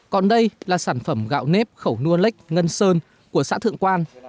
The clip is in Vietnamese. còn đây là sản phẩm gạo nếp khẩu nua lách ngân sơn của xã thượng quan